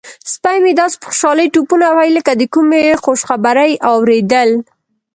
سپی مې داسې په خوشحالۍ ټوپونه وهي لکه د کومې خوشخبرۍ اوریدل.